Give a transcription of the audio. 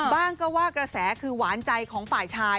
บ้างก็ว่ากระแสคือหวานใจของฝ่ายชาย